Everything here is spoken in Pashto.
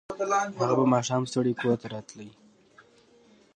هغه به ماښام ستړی کور ته راتلو